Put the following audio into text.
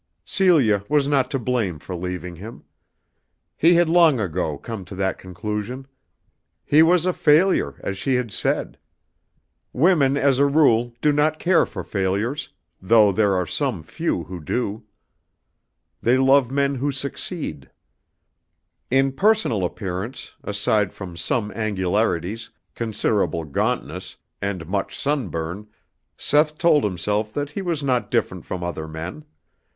Celia was not to blame for leaving him. He had long ago come to that conclusion. He was a failure, as she had said. Women as a rule do not care for failures, though there are some few who do. They love men who succeed. In personal appearance, aside from some angularities, considerable gauntness, and much sunburn, Seth told himself that he was not different from other men.